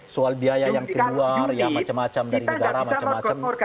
soal biaya yang keluar ya macam macam dari negara macam macam